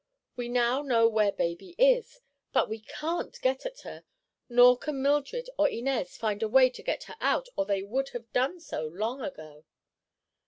We now know where baby is, but we can't get at her; nor can Mildred or Inez find a way to get her out, or they would have done so long ago."